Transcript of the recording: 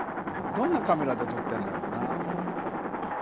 どんなカメラで撮ってんだろうな。